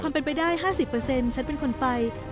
เป็นไปได้๕๐ฉันเป็นคนไป